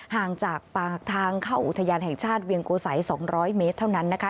ห่างจากปากทางเข้าอุทยานแห่งชาติเวียงโกสัย๒๐๐เมตรเท่านั้นนะคะ